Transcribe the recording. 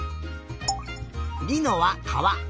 りのはかわ。